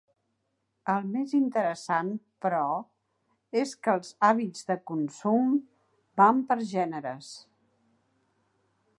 El més interessant, però, és que els hàbits de consum van per gèneres.